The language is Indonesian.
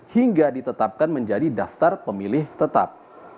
hingga ditetapkan menjadi daftar pemilih tetap